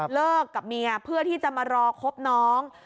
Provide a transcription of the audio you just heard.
เลิกกับเมียเพื่อที่จะมารอคบน้อง